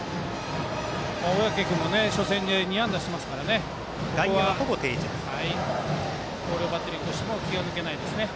小宅君も初戦で２安打してますからここは広陵バッテリーとしても気が抜けないですね。